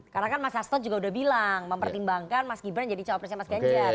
karena kan mas haston juga udah bilang mempertimbangkan mas gibran jadi cawapresnya mas genjar